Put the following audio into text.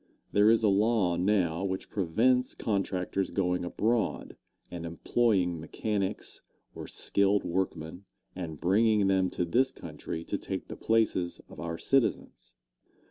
There is a law now which prevents contractors going abroad and employing mechanics or skilled workmen, and bringing them to this country to take the places of our citizens.